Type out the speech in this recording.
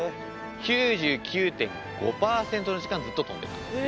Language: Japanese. ９９．５パーセントの時間ずっと飛んでたんですね。